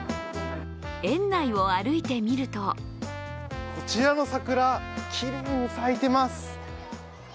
園内を歩いてみるとこちらの桜、きれいに咲いています。